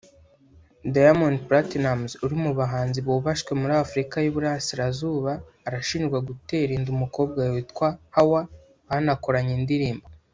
Diamond Platnumz uri mu bahanzi bubashywe muri Afurika y’Iburasirazuba arashinjwa gutera inda umukobwa witwa Hawa banakoranye indirimbo